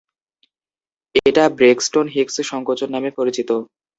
এটা ব্রেক্সটন-হিকস সংকোচন নামে পরিচিত।